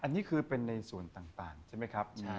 อันนี้คือเป็นในส่วนต่างใช่ไหมครับ